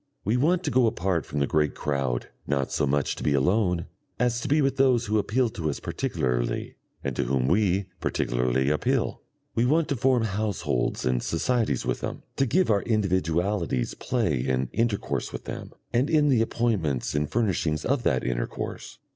We want to go apart from the great crowd, not so much to be alone as to be with those who appeal to us particularly and to whom we particularly appeal; we want to form households and societies with them, to give our individualities play in intercourse with them, and in the appointments and furnishings of that intercourse.